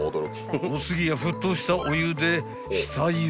［お次は沸騰したお湯で下ゆで］